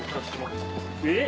えっ！